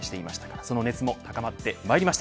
その熱も高まってまいりました。